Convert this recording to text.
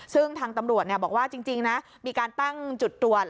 ซึ่งทางตำรวจบอกว่าจริงนะมีการตั้งจุดตรวจ